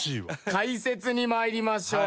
解説にまいりましょう。